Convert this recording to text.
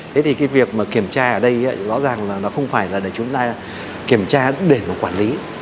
thế thì cái việc mà kiểm tra ở đây rõ ràng là nó không phải là để chúng ta kiểm tra để mà quản lý